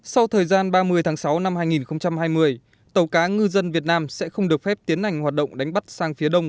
sau thời gian ba mươi tháng sáu năm hai nghìn hai mươi tàu cá ngư dân việt nam sẽ không được phép tiến hành hoạt động đánh bắt sang phía đông